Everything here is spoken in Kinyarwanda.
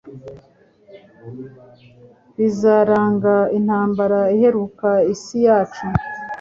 bizaranga intambara iheruka isi yacu.